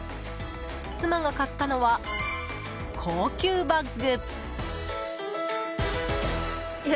妻が買ったのは高級バッグ。